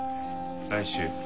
来週。